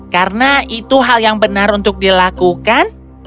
karena itu hal yang benar untuk dilakukan